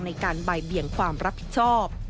ในการบ่ายเบี่ยงความรับผิดชอบ